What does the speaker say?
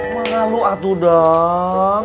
malah lu atuh dang